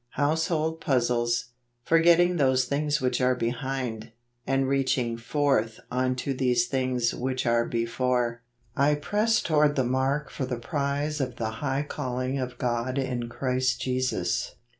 Household Puzzles. " Forgetting those things which are behind , and reaching forth unto those things which are before , I press toward the mark for the prize of the high calling of God in Christ Jesus."